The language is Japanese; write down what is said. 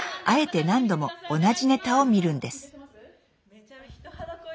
あえて何度も同じネタを見るんです。